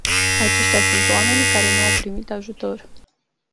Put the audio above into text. Aceștia sunt oamenii care nu au primit ajutor.